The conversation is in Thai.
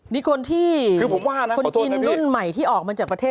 นี่คนที่คือผมว่านะขอโทษนะพี่คือคนจีนรุ่นใหม่ที่ออกมาจากประเทศ